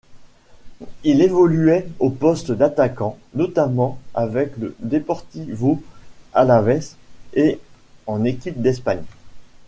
Il évoluait au poste d'attaquant, notamment avec le Deportivo Alavés et en équipe d'Espagne.